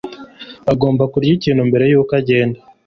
Ugomba kurya ikintu mbere yuko ugenda.